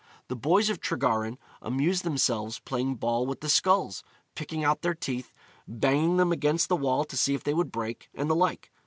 The boys of Tregaron amused themselves playing ball with the skulls, picking out their teeth, banging them against the wall to see if they would break, and the like.